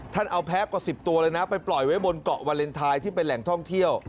เอาแพ้กว่า๑๐ตัวเลยนะไปปล่อยไว้บนเกาะวาเลนไทยที่เป็นแหล่งท่องเที่ยว